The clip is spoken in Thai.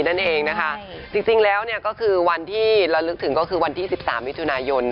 จริงแล้วเรารึกถึงวันที่๑๓วิธยุณายน